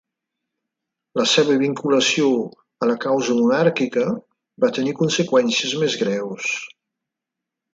La seva vinculació a la causa monàrquica va tenir conseqüències més greus.